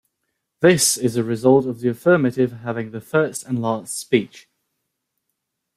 This is a result of the affirmative having the first and last speech.